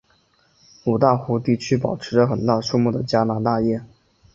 五大湖地区保持着很大数目的加拿大雁。